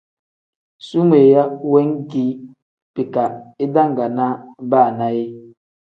Sumeeya wengeki bika idangaana baana yee.